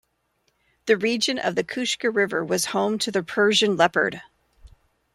The region of the Kushka River was home to the Persian leopard.